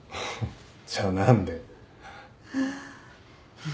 じゃあ何で？